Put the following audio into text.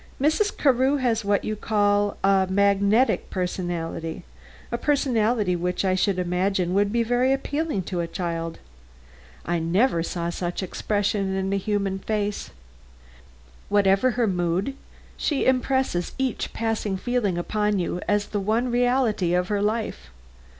Mrs. Carew has what you call magnetism a personality which I should imagine would be very appealing to a child. I never saw such expression in a human face. Whatever her mood, she impresses each passing feeling upon you as the one reality of her life.